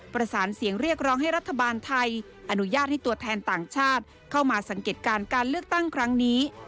ประสานเสียงเรียกร้องให้รัฐบาลไทยอนุญาตให้ตัวแทนต่างชาติเข้ามาสังเกตการณ์การเลือกตั้งครั้งนี้